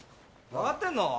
分かってんの？